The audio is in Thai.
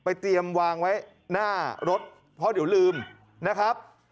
เตรียมวางไว้หน้ารถเพราะเดี๋ยวลืมนะครับ